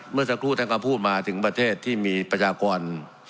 เมื่อสักครู่ท่านก็พูดมาถึงประเทศที่มีประชากร